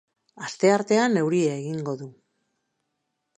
Asteartean euria egingo du.